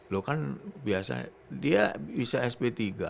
lo kan biasa dia bisa sp tiga